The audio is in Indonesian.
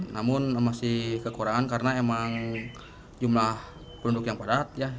namun masih kekurangan karena emang jumlah penduduk yang padat ya